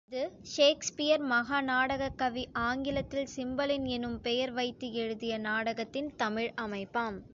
இது ஷேக்ஸ்பியர் மகா நாடகக் கவி ஆங்கிலத்தில் சிம்பலின் எனும் பெயர் வைத்து எழுதிய நாடகத்தின் தமிழ் அமைப்பாம்.